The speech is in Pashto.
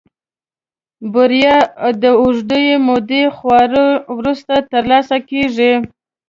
بريا د اوږدې مودې خواريو وروسته ترلاسه کېږي.